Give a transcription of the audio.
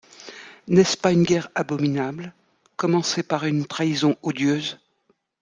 N’est-ce pas une guerre abominable… commencée par une trahison odieuse ?